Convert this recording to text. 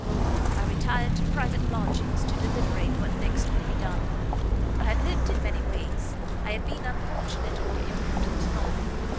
"I retired to private lodgings to deliberate what next could be done. I had lived in many ways, I had been unfortunate or imprudent in all.